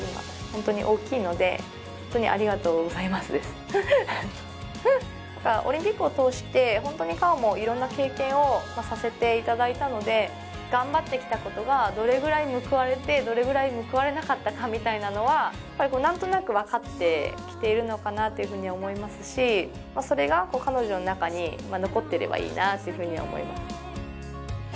あなたがいたから強くなれたホントにオリンピックを通してホントに果緒も色んな経験をさせていただいたので頑張ってきたことがどれぐらい報われてどれぐらい報われなかったかみたいなのは何となく分かってきているのかなというふうに思いますしそれが彼女の中に残ってればいいなっていうふうには思います